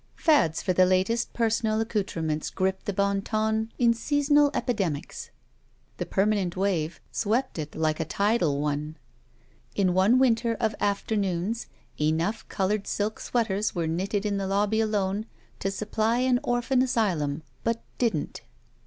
Fads for the latest personal accoutrements gripped the Bon Ton in seasonal epidemics. The permanent wave swept it like a tidal one. In one winter of afternoons enough colored silk sweaters were knitted in the lobby alone to supply an orphan asyltmi, but didn't.